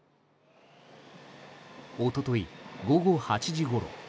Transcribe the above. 一昨日午後８時ごろ。